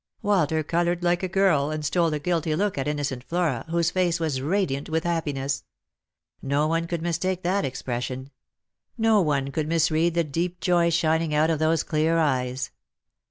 Walter coloured like a girl, and stole a guilty look at innocent Mora, whose face was radiant with happiness. No one could mistake that expression; no one could misread the deep joy shining out of those clear eyes.